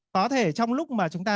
có thể trong lúc mà chúng ta